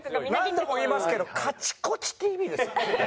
何度も言いますけど『カチコチＴＶ』ですよ？